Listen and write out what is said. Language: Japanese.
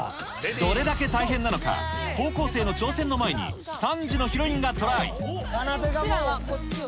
どれだけ大変なのか高校生の挑戦の前に３時のヒロインがトライうちらはこっちを。